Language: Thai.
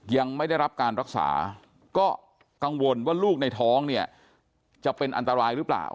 ยังไม่ได้รับการรักษาก็กังวลว่าลูกในท้องเนี่ยจะเป็นอันตรายหรือเปล่า